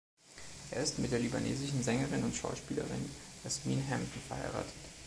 Er ist mit der libanesischen Sängerin und Schauspielerin Yasmine Hamdan verheiratet.